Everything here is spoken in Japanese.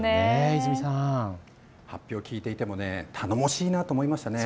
泉さん、発表を聞いていても頼もしいなと思いました。